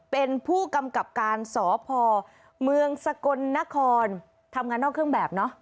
เป็นผู้กำกับการสพเมืองสกลนครทำงานนอกเครื่องแบบเนอะ